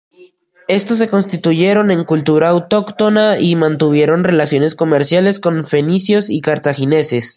Estos se constituyeron en cultura autóctona y mantuvieron relaciones comerciales con fenicios y cartagineses.